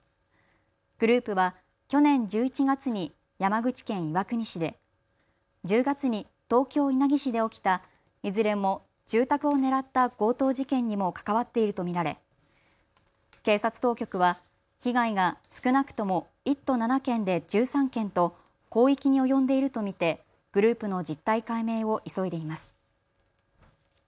グループは去年１１月に山口県岩国市で、１０月に東京稲城市で起きたいずれも住宅を狙った強盗事件にも関わっていると見られ警察当局は被害が少なくとも１都７県で１３件と広域に及んでいると見てグループの実態解明を急いでいます。